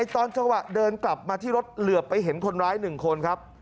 ตอนเฉพาะเดินกลับมาที่รถเลือบไปเห็นคนร้ายหนึ่งคนครับ